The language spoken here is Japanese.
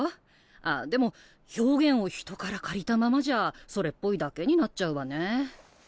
あっでも表現を人から借りたままじゃそれっぽいだけになっちゃうわね。